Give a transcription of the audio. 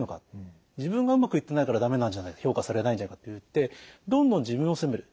自分がうまくいってないから駄目なんじゃないか評価されないんじゃないかといってどんどん自分を責める。